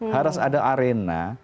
harus ada arena